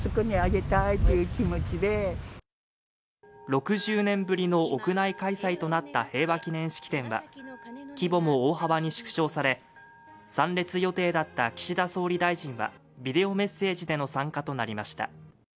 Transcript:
６０年ぶりの屋内開催となった平和祈念式典は規模も大幅に縮小され参列予定だった岸田総理大臣はビデオメッセージでの参加となりました